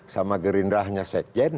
sama gerindahnya sekjen